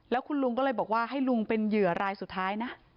แล้วคุณลุงก็เลยบอกว่าให้ลุงเป็นเหยื่อรายสุดท้ายนะ